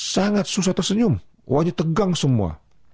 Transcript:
sangat susah tersenyum wajah tegang semua